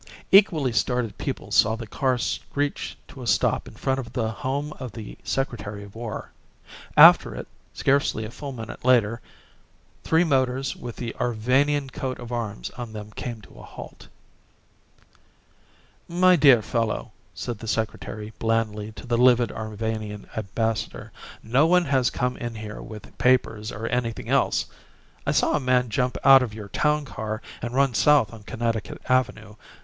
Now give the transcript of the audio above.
Equally startled people saw the car screech to a stop in front of the home of the Secretary of War. After it, scarcely a full minute later, three motors with the Arvanian coat of arms on them came to a halt. "My dear fellow," said the Secretary blandly to the livid Arvanian Ambassador, "no one has come in here with papers or anything else. I saw a man jump out of your town car and run south on Connecticut Avenue.